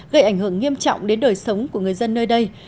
gây ảnh hưởng nghiêm trọng đến đời sống của người dân nơi đây